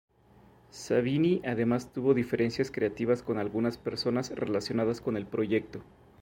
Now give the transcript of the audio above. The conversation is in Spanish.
Savini además tuvo diferencias creativas con algunas personas relacionadas con el proyecto.